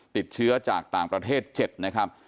ติดเชื้อจากต่างประเทศ๗นะครับ